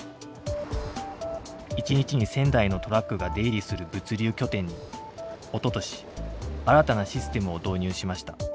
１日に１，０００台のトラックが出入りする物流拠点におととし新たなシステムを導入しました。